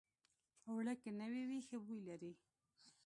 اوړه که نوي وي، ښه بوی لري